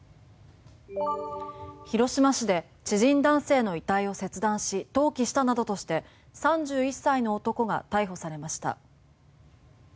広島市で知人男性の遺体を切断し投棄したなどとして３１歳の男が逮捕されました。